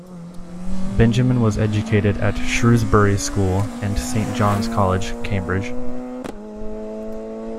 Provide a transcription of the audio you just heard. Benjamin was educated at Shrewsbury School, and Saint John's College, Cambridge.